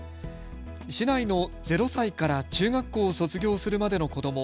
市内の０歳から中学校を卒業するまでの子ども